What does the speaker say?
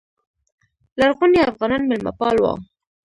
لرغوني افغانان میلمه پال وو